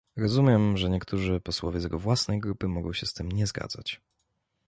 Rozumiem, że niektórzy posłowie z jego własnej grupy mogą się z tym nie zgadzać